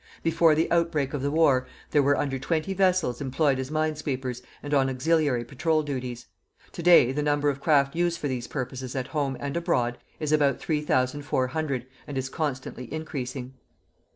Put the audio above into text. Before the outbreak of the war there were under 20 vessels employed as minesweepers and on auxiliary patrol duties. To day the number of craft used for these purposes at home and abroad is about 3,400, and is constantly increasing.